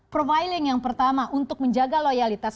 profiling yang pertama untuk menjaga loyalitas